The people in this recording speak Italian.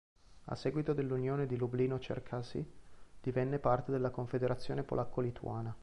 A seguito dell'Unione di Lublino Čerkasy divenne parte della Confederazione polacco-lituana.